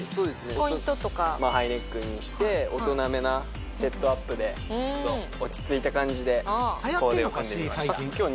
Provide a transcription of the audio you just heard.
ポイントとかハイネックにして大人めなセットアップでちょっと落ち着いた感じでコーデを組んでみました